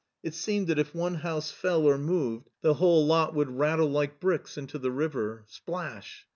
It seemed that if one house fell or moved the whole lot would rattle like bricks into the river. Splash